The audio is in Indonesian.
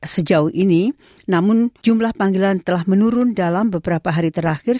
sejauh ini namun jumlah panggilan telah menurun dalam beberapa hari terakhir